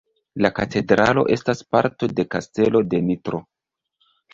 La katedralo estas parto de Kastelo de Nitro.